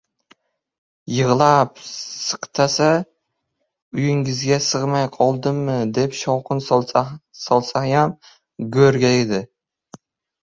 Yig‘lab-siq- tasa, «uyingizga sig‘may qoldimmi», deb shovqin solsayam go‘rga edi.